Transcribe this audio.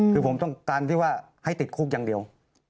คือผมต้องการที่ว่าให้ติดคุกอย่างเดียว